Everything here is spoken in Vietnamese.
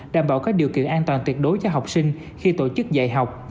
đảm bảo các điều kiện an toàn tuyệt đối cho học sinh khi tổ chức dạy học